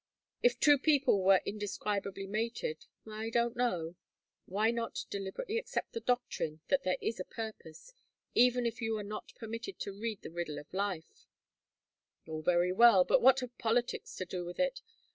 If two people were indescribably mated I don't know " "Why not deliberately accept the doctrine that there is a purpose, even if you are not permitted to read the riddle of life " "All very well, but what have politics to do with it?